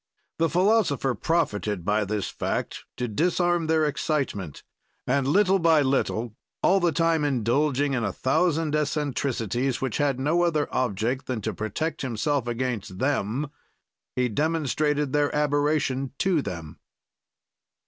"The philosopher profited by this fact to disarm their excitement, and, little by little, all the time indulging in a thousand eccentricities, which had no other object than to protect himself against them, he demonstrated their aberration to them."